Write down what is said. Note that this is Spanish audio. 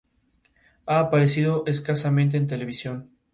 Ha aparecido escasamente en televisión.